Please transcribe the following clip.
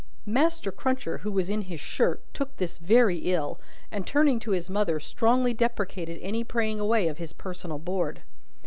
Master Cruncher (who was in his shirt) took this very ill, and, turning to his mother, strongly deprecated any praying away of his personal board.